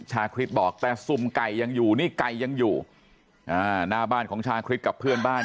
ชาคริสบอกแต่สุ่มไก่ยังอยู่นี่ไก่ยังอยู่อ่าหน้าบ้านของชาคริสกับเพื่อนบ้าน